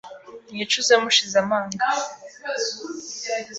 Mwicuze mushize amanga